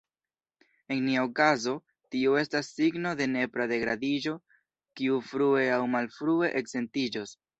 En nia okazo tio estas signo de nepra degradiĝo, kiu frue aŭ malfrue eksentiĝos.